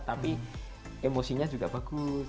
tapi emosinya juga bagus